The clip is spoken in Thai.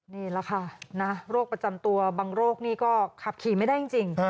นี่แหละค่ะนะโรคประจำตัวบางโรคนี่ก็ขับขี่ไม่ได้จริง